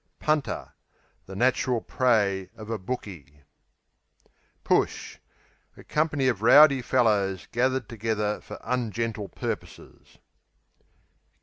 Punter The natural prey of a "bookie," q.v. Push A company of rowdy fellows gathered together for ungentle purposes.